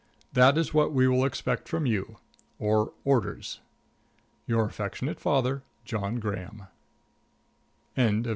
That is what we will expect from you or orders. Your affectionate father, JOHN GRAHAM. ++| No.